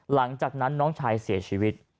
หลังจากนั้นน้องชายเสียชีวิต